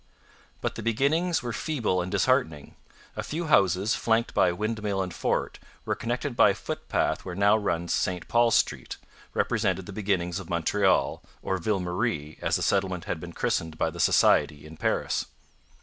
But the beginnings were feeble and disheartening. A few houses, flanked by a windmill and fort, and connected by a footpath where now runs St Paul Street, represented the beginnings of Montreal or Ville Marie, as the settlement had been christened by the Society in Paris.